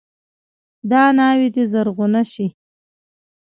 دا ناوې دې زرغونه شي.